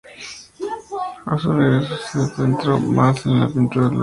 A su regreso se adentró más en la pintura al óleo.